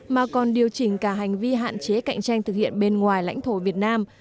mà còn điều chỉnh cả hành vi hạn chế cạnh tranh thực hiện bên ngoài lãnh thổ việt nam